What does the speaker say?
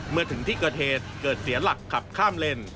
เมื่อถึงที่เกิดเหตุเกิดเสียหลักขับข้ามเลน